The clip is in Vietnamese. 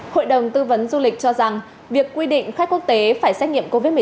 hội đồng tư vấn du lịch cho rằng việc quy định khách quốc tế phải xét nghiệm covid một mươi chín